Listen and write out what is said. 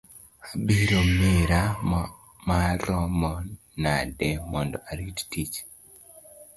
Abiro mira maromo nade mondo arit tich?